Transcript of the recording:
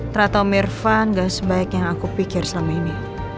ternyata mirvan gak sebaik yang aku pikir selama ini